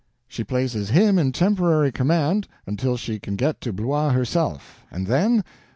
She places him in temporary command until she can get to Blois herself—and then!